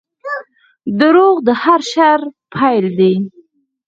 • دروغ د هر شر پیل دی.